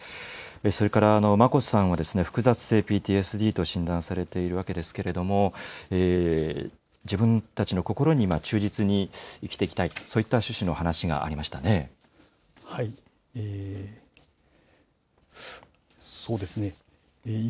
それから、眞子さんは複雑性ＰＴＳＤと診断されているわけですけれども、自分たちの心に忠実に生きていきたいと、そういった趣旨そうですね。